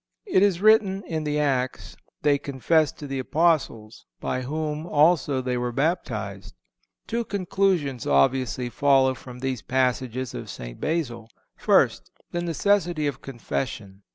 It is written in the Acts, they confessed to the Apostles, by whom also they were baptized."(446) Two conclusions obviously follow from these passages of St. Basil: First, the necessity of confession.